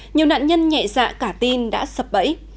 nhiều nạn nhân nhẹ dạ cả tin đã sập bẫy